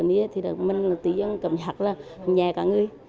nhà cả người